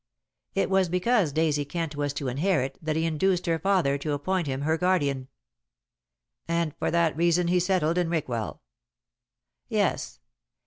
It was because Daisy Kent was to inherit it that he induced her father to appoint him her guardian." "And for that reason he settled in Rickwell." "Yes.